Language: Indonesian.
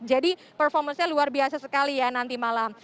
jadi performance nya luar biasa sekali ya nanti malam